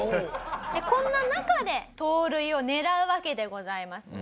でこんな中で盗塁を狙うわけでございますね。